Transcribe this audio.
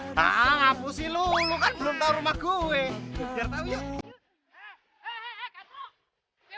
ngapusin lo lo kan belum tau rumah gue